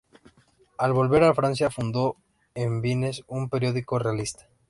Al volver a Francia fundó en Nimes un periódico realista.